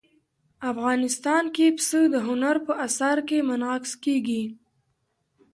افغانستان کې پسه د هنر په اثار کې منعکس کېږي.